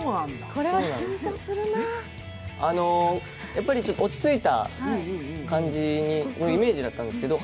やっぱり落ち着いた感じのイメージだったんですけど、